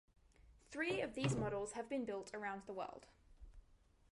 Three of these models have been built around the world.